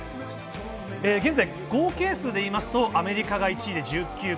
日本は合計数でいいますとアメリカが１位で１９個。